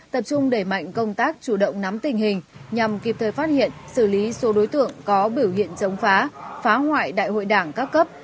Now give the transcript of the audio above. tập trung đẩy mạnh công tác chủ động nắm tình hình nhằm kịp thời phát hiện xử lý số đối tượng có biểu hiện chống phá phá hoại đại hội đảng các cấp